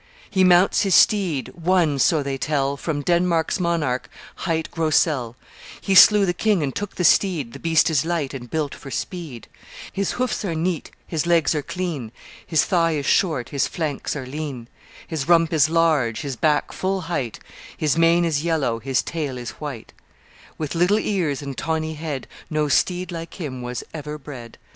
"He mounts his steed, won, so they tell, From Denmark's monarch, hight Grosselle; He slew the king and took the steed The beast is light and built for speed; His hoofs are neat, his legs are clean, His thigh is short, his flanks are lean, His rump is large, his back full height, His mane is yellow, his tail is white; With little ears and tawny head, No steed like him was ever bred.